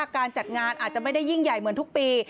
การจัดงานอาจจะไม่ได้ยิ่งใหญ่เหมือนทุกปี